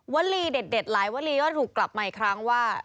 วลีเด็ดหลายวลีก็ถูกกลับมาอีกครั้งว่า